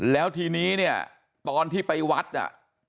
แล้วทีนี้เนี่ยตอนที่ไปวัดอ่ะ